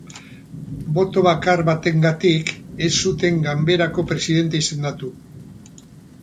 Boto bakar batengatik ez zuten ganberako presidente izendatu.